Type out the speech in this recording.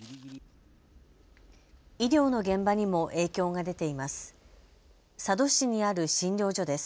医療の現場にも影響が出ています。